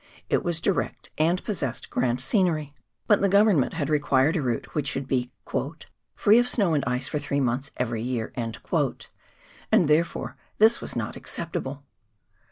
It was direct, and possessed grand scenery ; but the Government had required a route which should be "free of snow and ice for three months every year," and therefore this was not acceptable.